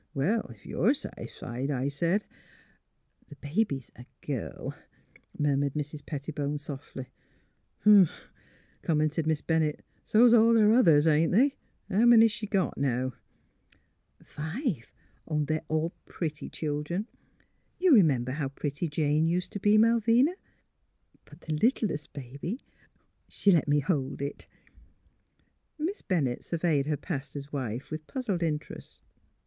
* Well, if you're satisfied,' I sez ..."*' The baby's a girl," murmured Mrs. Petti bone, softly. '' Huh !'' commented Miss Bennett. " So 's all MALVINA POINTS A MORAL 181 her others, ain't they? How many's she got now? "" Five; they're all pretty children. — You re member how pretty Jane used to be, Malvina? But the littlest baby ... She let me hold it. ..." Miss Bennett surveyed her pastor's wife with puzzled interest.